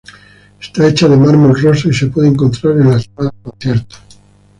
Está hecha de mármol rosa y se puede encontrar en la sala de conciertos.